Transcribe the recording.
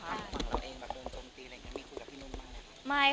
ภาพหลังจากช่วงตีมีคุยกับพี่นุ่นไหม